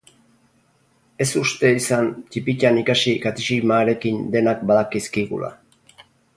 Ez uste izan ttipitan ikasi katixima harekin denak badakizkigula.